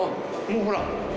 もうほら。